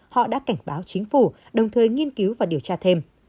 họ đã cảnh báo chính phủ đồng thời nghiên cứu và điều tra thêm